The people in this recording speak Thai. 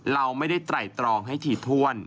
เราไม่ได้ไตรตรองให้ถี่ถ้วน